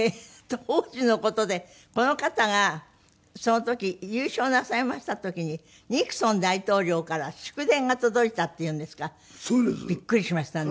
当時の事でこの方がその時優勝なさいました時にニクソン大統領から祝電が届いたっていうんですからびっくりしましたね。